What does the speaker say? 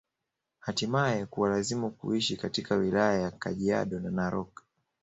Hatimae kuwalazimu kuishi katika wilaya ya Kajiado na Narok